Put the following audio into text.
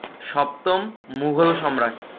সপ্তম মুঘল সম্রাট।